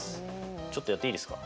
ちょっとやっていいですか？